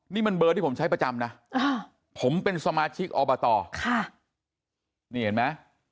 นี่มันเบอร์ที่ผมใช้ประจำนะผมเป็นสมาชิกอบตค่ะนี่เห็นไหม